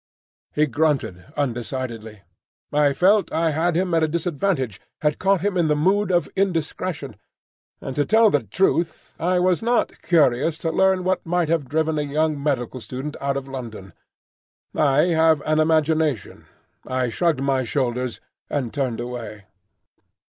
He grunted undecidedly. I felt I had him at a disadvantage, had caught him in the mood of indiscretion; and to tell the truth I was not curious to learn what might have driven a young medical student out of London. I have an imagination. I shrugged my shoulders and turned away.